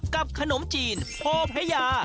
กับขนมจีนโพพระยา